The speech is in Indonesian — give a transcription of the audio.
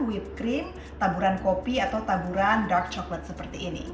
whippe cream taburan kopi atau taburan dark coklat seperti ini